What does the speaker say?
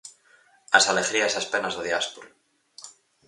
As alegrías e as penas da diáspora.